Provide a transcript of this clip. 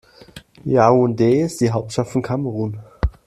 Yaoundé ist die Hauptstadt von Kamerun.